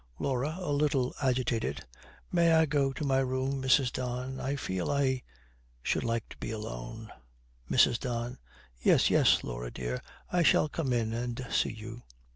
LAURA, a little agitated, 'May I go to my room, Mrs. Don? I feel I should like to be alone.' MRS. DON. 'Yes, yes, Laura dear. I shall come in and see you.'